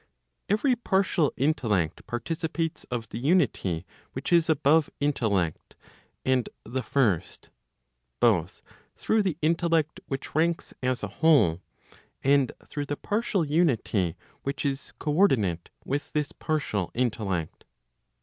Every * partial intellect participates of the unity which is above intellect and the first, both through the intellect which ranks as a. whole, and through the partial unity which is co ordinate with this partial intellect.